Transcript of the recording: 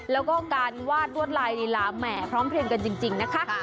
แล้วก็การวาดรวดลายลีลาแหมพร้อมเพลงกันจริงนะคะ